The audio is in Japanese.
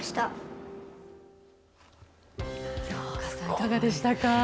いかがでしたか。